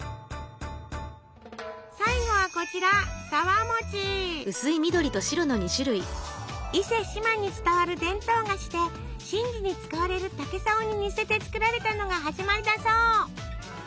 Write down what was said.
最後はこちら伊勢志摩に伝わる伝統菓子で神事に使われる「竹さお」に似せて作られたのが始まりだそう！